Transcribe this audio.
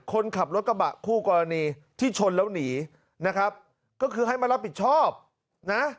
คนขับรถกระบะคู่กรณีที่ชนแล้วหนีนะครับก็คือให้มารับผิดชอบนะ